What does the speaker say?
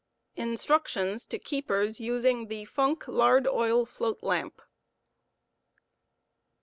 INSTRUCTIONS TO KEEPERS USING THE PUNOK LABD OH* FLOAT LAMP. 52.